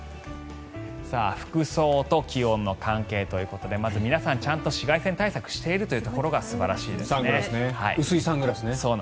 服装と気温の関係ということでまず皆さん、ちゃんと紫外線対策しているところが薄いサングラスね。